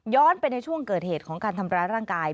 ไปในช่วงเกิดเหตุของการทำร้ายร่างกาย